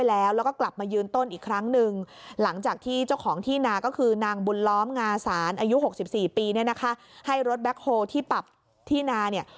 อายุหกสิบสี่ปีเนี่ยนะคะให้รถแบล็คโฮที่ปรับที่นาเนี่ย